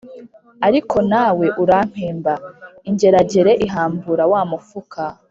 Ariko nawe urampemba!” Ingeragere ihambura wa mufuka